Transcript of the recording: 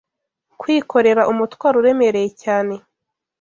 kwikorera umutwaro uremereye cyane